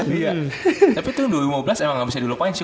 tapi tuh dua ribu lima belas emang gak bisa di lupain sih